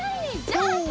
ジャンプ！